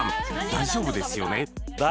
大丈夫ですよね？